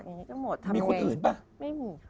มีคนอื่นป่ะ